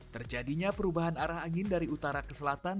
terjadinya perubahan arah angin dari utara ke selatan